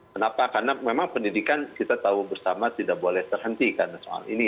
kenapa karena memang pendidikan kita tahu bersama tidak boleh terhenti karena soal ini